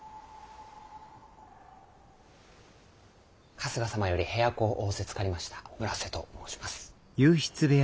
春日様より部屋子を仰せつかりました村瀬と申します。